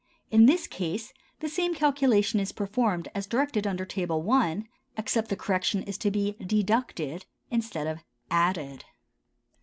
—In this case, the same calculation is performed as directed under Table I., except that the correction is to be deducted instead of added.